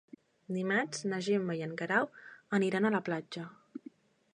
Dimarts na Gemma i en Guerau aniran a la platja.